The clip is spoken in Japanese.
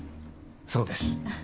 そうです。